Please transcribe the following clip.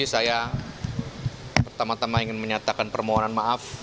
jadi saya pertama tama ingin menyatakan permohonan maaf